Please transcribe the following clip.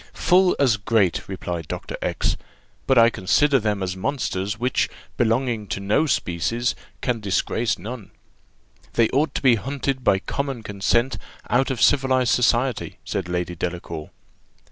"Full as great," replied Dr. X ; "but I consider them as monsters, which belonging to no species, can disgrace none." "They ought to be hunted by common consent out of civilized society," said Lady Delacour.